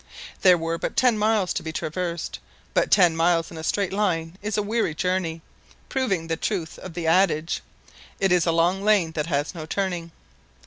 There were but ten miles to be traversed, but ten miles in a straight line is a weary journey, proving the truth of the adage "It's a long lane that has no turning."